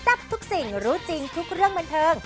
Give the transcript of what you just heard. ทับทุกสิ่งรู้จริงทุกเรื่องบันเทิง